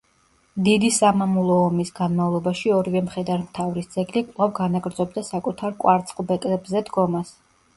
დიდი სამამულო ომის განმავლობაში ორივე მხედართმთავრის ძეგლი კვლავ განაგრძობდა საკუთარ კვარცხლბეკებზე დგომას.